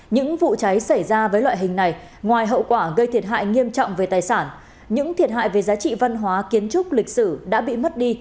những vụ cháy xảy ra với loại hình này ngoài hậu quả gây thiệt hại nghiêm trọng về tài sản những thiệt hại về giá trị văn hóa kiến trúc lịch sử đã bị mất đi